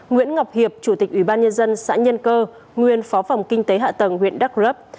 nguyễn ngọc hiệp chủ tịch ủy ban nhân dân xã nhân cơ nguyên phó phòng kinh tế hạ tầng huyện đắk lấp